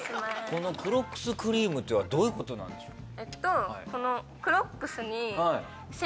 このクロックスクリームとはどういうことなんでしょう？